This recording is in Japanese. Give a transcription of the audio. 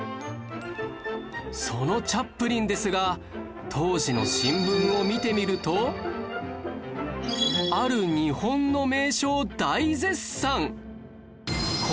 そのチャップリンですが当時の新聞を見てみるとある日本の名所を大絶賛！